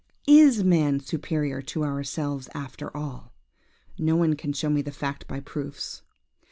Is man superior to ourselves after all? No one can show me the fact by proofs.